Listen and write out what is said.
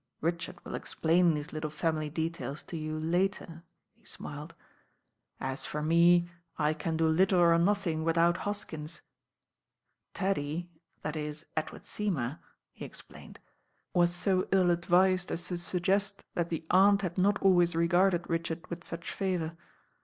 Richard will explain these little family details to you later," he smiled. "As LORD DREWITT: ABfBASSADOR 808 for me, I can do little or nothing without Hotkins. ^^ "Teddy, that is, Edward Seymour," he explained, "was so ill advised as to suggest that the Aunt had not always regarded Richard with such favour.